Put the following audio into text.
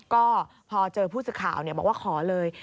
ก็พอเจอผู้สื่อข่าวบอกว่าขอเลย